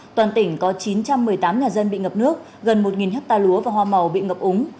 toàn tỉnh có chín trăm một mươi tám nhà dân bị ngập nước gần một ha lúa và hoa màu bị ngập úng